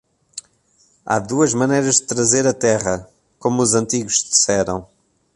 Há duas maneiras de trazer a terra, como os antigos disseram.